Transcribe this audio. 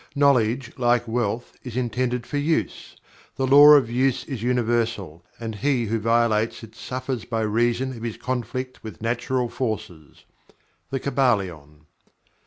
Knowledge, like wealth, is intended for Use. The Law of Use is Universal, and he who violates it suffers by reason of his conflict with natural forces." The Kybalion.